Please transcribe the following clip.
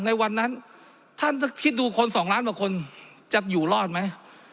ในวันนั้นท่านคิดดูคนสองล้านกว่าคนจะอยู่รอดไหม